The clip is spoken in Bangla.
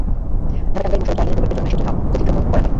ঢাকা-টাঙ্গাইল মহাসড়ক চার লেন প্রকল্পের জন্য এসব জমি অধিগ্রহণ করা হবে।